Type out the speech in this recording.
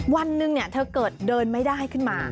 วันหนึ่งเธอเกิดเดินไม่ได้ขึ้นมา